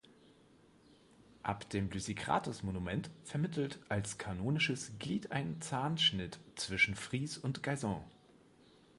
Ab dem Lysikrates-Monument vermittelt als kanonisches Glied ein Zahnschnitt zwischen Fries und Geison.